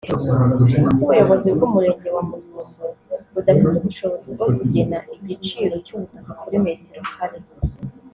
kuko ubuyobozi bw’Umurenge wa Muyumbu budafite ubushobozi bwo kugena igiciro cy’ubutaka kuri metero kare